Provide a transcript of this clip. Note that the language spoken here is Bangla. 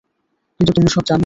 কিন্তু তুমি সব জানো।